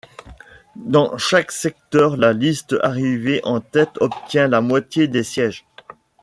Dans chaque secteur, la liste arrivée en tête obtient la moitié des sièges.